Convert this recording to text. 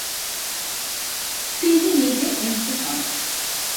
তিনি নিজে এমপি হন।